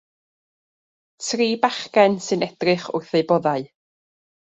Tri bachgen sy'n edrych wrth eu boddau.